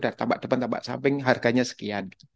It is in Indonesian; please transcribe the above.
dari tampak depan tampak samping harganya sekian